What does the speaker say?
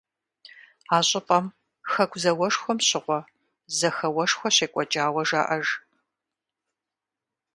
А щӏыпӏэм Хэку зауэшхуэм щыгъуэ зэхэуэшхуэ щекӏуэкӏауэ жаӏэж.